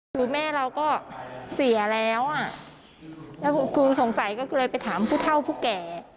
คือแม่เราก็เสียแล้วอ่ะแล้วครูสงสัยก็เลยไปถามผู้เท่าผู้แก่